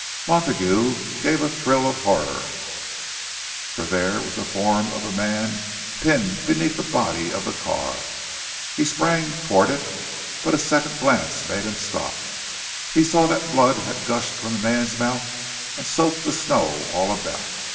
Montague gave a thrill of horror, for there was the form of a man pinned beneath the body of the car. He sprang toward it, but a second glance made him stop—he saw that blood had gushed from the man's mouth and soaked the snow all about.